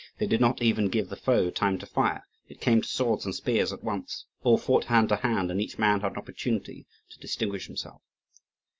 They did not even give the foe time to fire, it came to swords and spears at once. All fought hand to hand, and each man had an opportunity to distinguish himself.